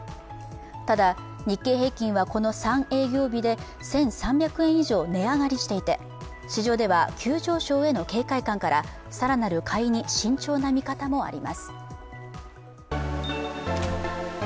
ただ、日経平均はこの３営業日で１３００円以上値上がりしていて、市場では急上昇への警戒感から更なる買いに慎重な見方もあります。